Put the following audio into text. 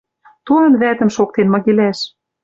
Туан вӓтӹм шоктен мыгилӓш.